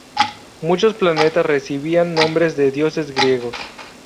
Muchos planetas recibían nombres de dioses griegos.